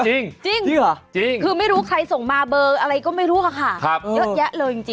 จริงคือไม่รู้ใครส่งมาเบอร์อะไรก็ไม่รู้ค่ะเยอะแยะเลยจริง